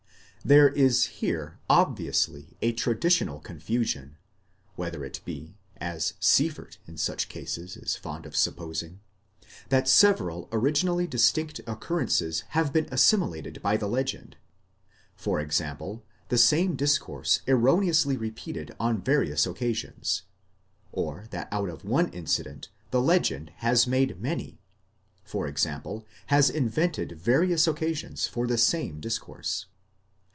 There is here obviously a traditional confusion, whether it be (as Sieffert in such cases is fond of supposing) that several originally distinct occurrences have been assimilated by the legend, 1.6, the same discourse erroneously repeated on various occasions ; or that out of one incident the legend has made many, i.e. has invented various occasions for the same discourse.